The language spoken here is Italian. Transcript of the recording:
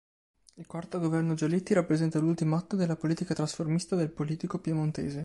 Il quarto governo Giolitti rappresenta l'ultimo atto della politica trasformista del politico piemontese.